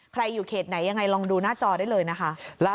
อยู่เขตไหนยังไงลองดูหน้าจอได้เลยนะคะ